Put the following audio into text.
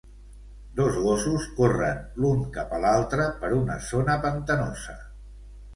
Dos gossos corren l'un cap a l'altre per una zona pantanosa.